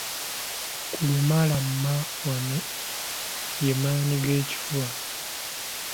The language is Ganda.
Kalumalamawano ye maannyi ga kifuba.